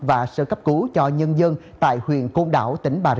và sở cấp cứu cho nhân dân tại huyền côn đảo